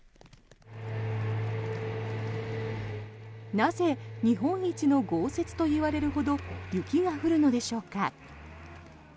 なぜ日本一の豪雪といわれるほど雪が降るのでしょうか。